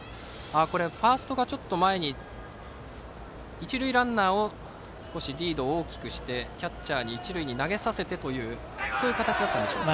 ファーストがちょっと前に一塁ランナーをリードを大きくしてキャッチャーに一塁に投げさせてというそういう形だったんでしょうか。